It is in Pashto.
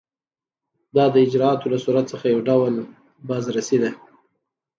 دا د اجرااتو له صورت څخه یو ډول بازرسي ده.